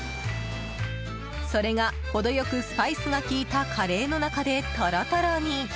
それが、程良くスパイスが効いたカレーの中でとろとろに！